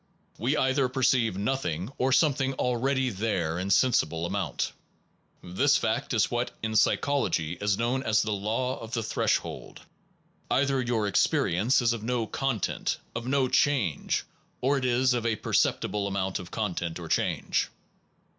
We either perceive nothing, or something already there in sensible amount. This fact is what in psychology is known as the law of the threshold. Either your experience is of no content, of no change, or it is of a perceptible amount of content or change.